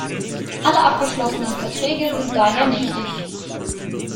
Alle abgeschlossenen Verträge sind daher nichtig.